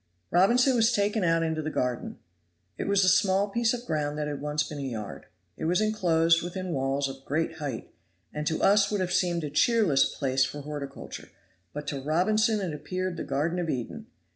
Robinson was taken out into the garden; it was a small piece of ground that had once been a yard; it was inclosed within walls of great height, and to us would have seemed a cheerless place for horticulture, but to Robinson it appeared the garden of Eden.